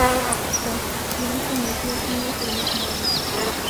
Su construcción se inició a fines del mismo año.